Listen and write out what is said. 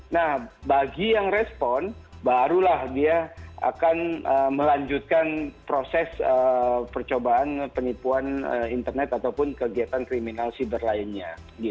nah bagi yang respon barulah dia akan melanjutkan proses percobaan penipuan internet ataupun kegiatan kriminal siber lainnya